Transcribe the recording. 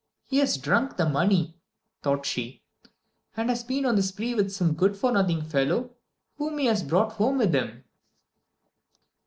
"He has drunk the money," thought she, "and has been on the spree with some good for nothing fellow whom he has brought home with him."